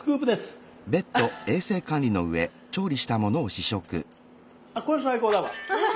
あこれ最高だわ！